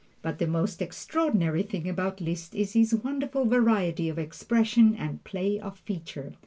But the most extraordinary thing about Liszt is his wonderful variety of expression and play of feature.